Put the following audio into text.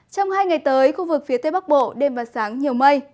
trong hai ngày tới khu vực phía tây bắc bộ đêm và sáng nhiều mây